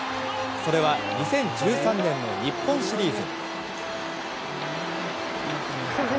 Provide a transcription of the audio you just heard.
それは２０１３年の日本シリーズ。